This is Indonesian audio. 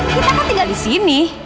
kita kan tinggal disini